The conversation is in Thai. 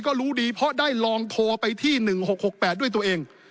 ก็รู้ดีเพราะได้ลองโทรไปที่๑๖๖๘ด้วยตัวเอง